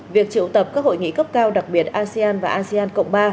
việc triệu tập các hội nghị cấp cao đặc biệt asean và asean cộng ba